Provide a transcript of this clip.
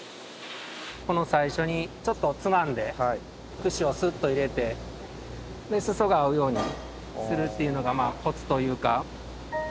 最初にちょっとつまんで串をスッと入れてすそが合うようにするっていうのがコツというか。